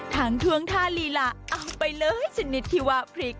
ท่วงท่าลีลาเอาไปเลยชนิดที่ว่าพริก